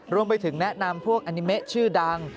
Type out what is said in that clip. รวมไปถึงแนะนำพวกแอนิเมะชื่อดัง